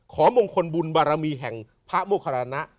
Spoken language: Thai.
มงคลบุญบารมีแห่งพระโมคารณะ